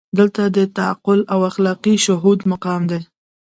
دلته د تعقل او اخلاقي شهود مقام دی.